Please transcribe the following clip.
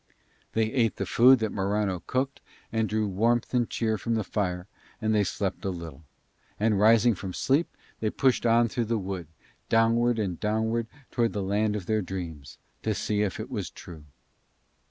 They ate the food that Morano cooked, and drew warmth and cheer from the fire, and then they slept a little: and, rising from sleep, they pushed on through the wood, downward and downward toward the land of their dreams, to see if it was true.